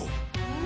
うん。